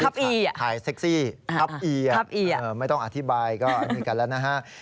ถ่ายเซ็กซี่คับอีไม่ต้องอธิบายก็มีกันแล้วนะฮะ